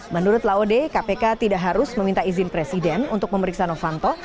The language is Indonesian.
menurut laode kpk tidak harus meminta izin presiden untuk memeriksa novanto